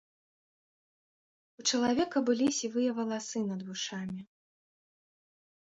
У чалавека былі сівыя валасы над вушамі.